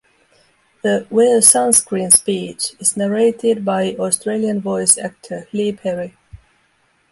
The "Wear Sunscreen" speech is narrated by Australian voice actor Lee Perry.